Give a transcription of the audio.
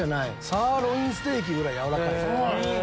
サーロインステーキぐらい軟らかい。